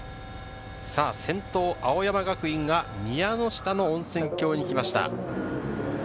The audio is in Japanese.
先頭・青山学院が宮ノ下の温泉郷にきました。